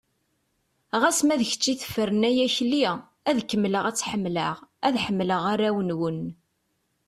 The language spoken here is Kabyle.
Ɣas ma d kečč i tefren ay Akli, ad kemmleɣ ad tt-ḥemmleɣ, ad ḥemmleɣ arraw-nwen.